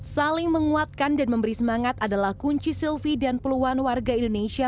saling menguatkan dan memberi semangat adalah kunci sylvi dan puluhan warga indonesia